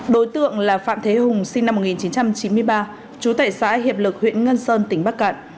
đối tượng là phạm thế hùng sinh năm một nghìn chín trăm chín mươi ba trú tại xã hiệp lực huyện ngân sơn tỉnh bắc cạn